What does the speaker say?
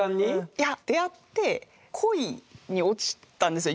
いや出会って恋に落ちたんですよ